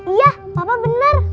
iya papa benar